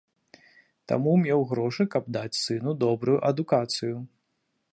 Таму меў грошы, каб даць сыну добрую адукацыю.